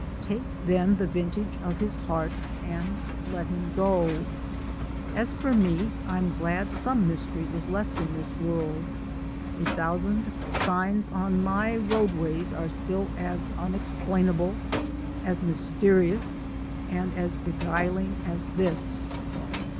Take then the vintage of his heart and let him go. As for me, I'm glad some mystery is left in this world. A thousand signs on my roadways are still as unexplainable, as mysterious, and as beguiling as this.